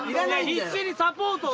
一緒にサポートを。